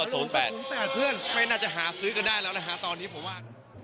ฟ้าโรงก็๐๘เพื่อนไม่น่าจะหาซื้อก็ได้แล้วนะฮะตอนนี้ผมว่า